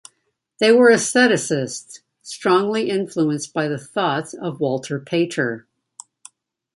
They were Aestheticists, strongly influenced by the thoughts of Walter Pater.